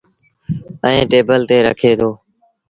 ائيٚݩ ٽيبل تي رکي دو۔